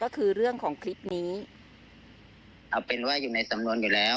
ก็คือเรื่องของคลิปนี้เอาเป็นว่าอยู่ในสำนวนอยู่แล้ว